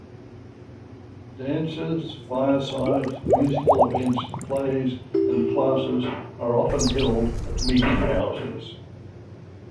Dances, firesides, musical events, plays, and classes are often held at meetinghouses.